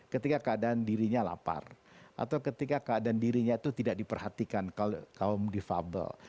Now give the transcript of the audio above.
ketika keadaan dirinya lapar atau ketika keadaan dirinya itu tidak diperhatikan kaum defable